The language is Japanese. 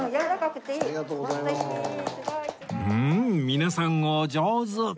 うん皆さんお上手！